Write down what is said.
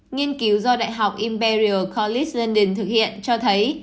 nghiên cứu do đại học imperial college london thực hiện cho thấy